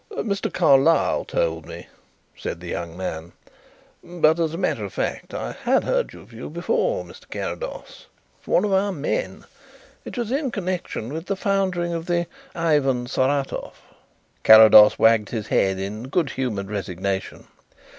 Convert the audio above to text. "Mr. Carlyle told me," said the young man, "but, as a matter of fact, I had heard of you before, Mr. Carrados, from one of our men. It was in connection with the foundering of the Ivan Saratov." Carrados wagged his head in good humoured resignation.